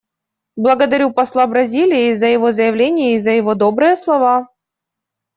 Благодарю посла Бразилии за его заявление и за его добрые слова.